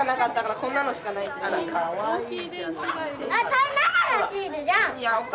それナナのシールじゃん。